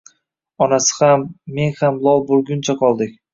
Onasi ham, men ham lol bo`lguncha qoldik